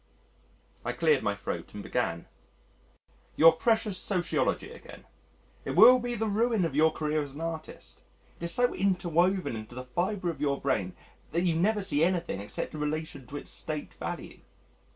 I cleared my throat and began, "Your precious sociology again it will be the ruin of your career as an artist. It is so interwoven into the fibre of your brain that you never see anything except in relation to its State value.